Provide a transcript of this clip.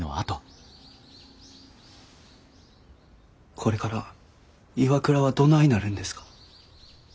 これからＩＷＡＫＵＲＡはどないなるんですか。